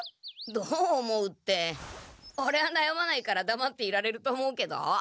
どう思うってオレはなやまないからだまっていられると思うけど。